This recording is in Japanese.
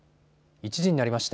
１時になりました。